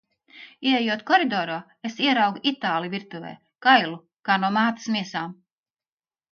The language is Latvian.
Ieejot koridorā, es ieraugu itāli virtuvē, kailu kā no mātes miesām.